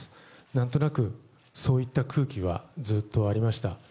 何となくそういった空気はずっとありました。